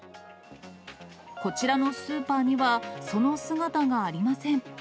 こちらのスーパーには、その姿がありません。